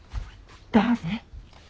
誰？